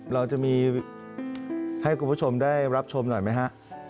เราจะมีให้คุณผู้ชมได้รับชมหน่อยไหมฮะ